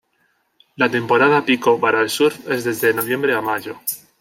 La temporada pico para el surf es desde noviembre a mayo.